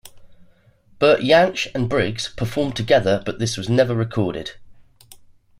Bert Jansch and Briggs performed together but this was never recorded.